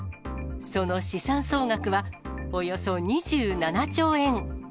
その資産総額はおよそ２７兆円。